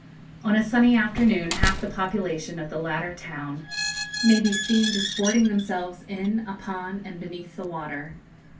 On a sunny afternoon half the population of the latter town may be seen "disporting themselves in, upon, and beneath the water."